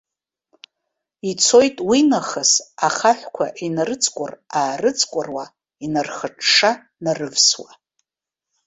Ицоит уинахыс ахаҳәқәа инарыҵкәыр-аарыҵкәыруа, инархыҽҽа-нарывсуа.